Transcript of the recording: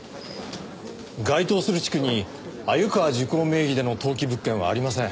該当する地区に鮎川珠光名義での登記物件はありません。